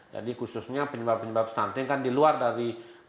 jadi khususnya penyebab penyebab stunting kan di luar dari